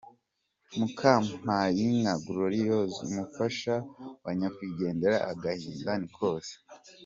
Mukampakanyi Gloriose umufasha wa Nyakwigendera agahinda ni kose.